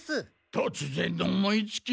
とつぜんの思いつき？